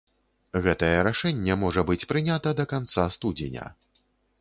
Гэтае рашэнне можа быць прынята да канца студзеня.